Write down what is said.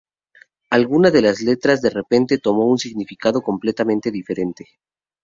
Algunas de las letras de repente tomó un significado completamente diferente.